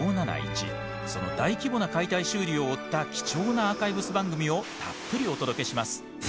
その大規模な解体修理を追った貴重なアーカイブス番組をたっぷりお届けします。